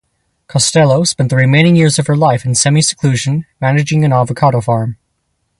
Costello spent the remaining years of her life in semi-seclusion, managing an avocado farm.